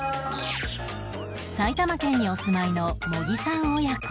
埼玉県にお住まいの茂木さん親子